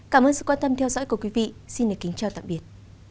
cảm ơn sự quan tâm theo dõi của quý vị xin được kính chào tạm biệt